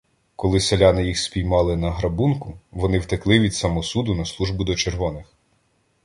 Коли селяни їх спіймали на грабунку, вони втекли від самосуду на службу до червоних.